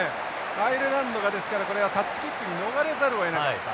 アイルランドがですからこれはタッチキックに逃れざるをえなかった。